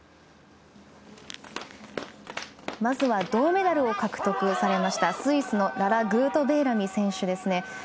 まずは銅メダルを獲得されたスイスのララ・グートベーラミ選手。